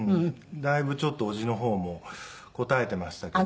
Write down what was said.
だいぶちょっと伯父の方も堪えていましたけど。